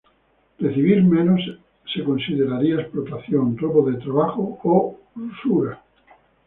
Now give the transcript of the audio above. Recibir menos se consideraría explotación, robo de trabajo, o usura.